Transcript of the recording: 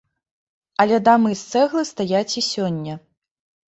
Але дамы з цэглы стаяць і сёння.